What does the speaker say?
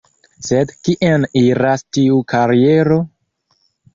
Sed kien iras tiu kariero...?